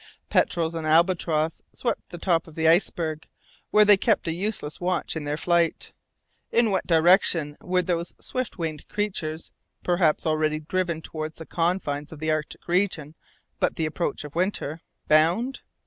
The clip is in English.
Petrels and albatross swept the top of the iceberg, where they kept a useless watch in their flight. In what direction were those swift winged creatures perhaps already driven towards the confines of the arctic region at the approach of winter bound?